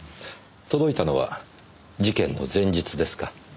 届いたのは事件の前日ですか？